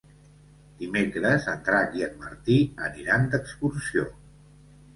Dimecres en Drac i en Martí aniran d'excursió.